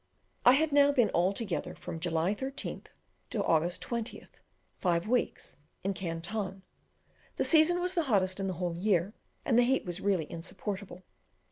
I had now been altogether, from July 13th to August 20th, five weeks in Canton. The season was the hottest in the whole year, and the heat was really insupportable.